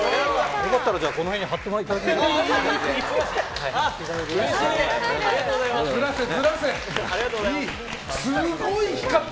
良かったらこの辺に貼っていただいて。